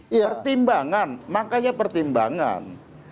pertimbangan makanya pertimbangan